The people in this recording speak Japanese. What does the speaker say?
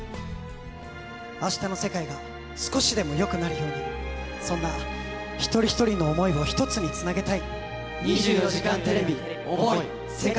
あしたの世界が少しでもよくなるように、そんな一人一人の想いを一つにつなげたい。